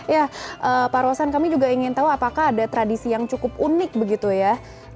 ya pak rosan kami juga ingin tahu apakah ada tradisi yang cukup unik begitu ya